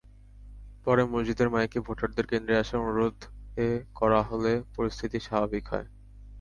পরে মসজিদের মাইকে ভোটারদের কেন্দ্রে আসার অনুরোধে করা হলে পরিস্থিতি স্বাভাবিক হয়।